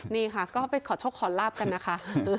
นี่ค่ะก็ไปขอโชคขอลาบกันนะคะ